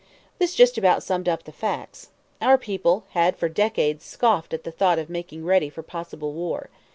This just about summed up the facts. Our people had for decades scoffed at the thought of making ready for possible war.